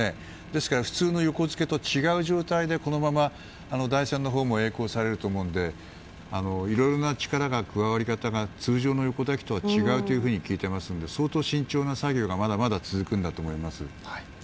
ですから、普通の横付けとは違う状態で台船のほうも曳航されると思うのでいろいろと力の加わり方が通常の横抱きとは違うと聞いていますので相当慎重な作業がまだ続くと思います。